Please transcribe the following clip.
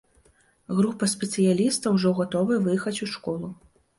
Група спецыялістаў ўжо гатовая выехаць у школу.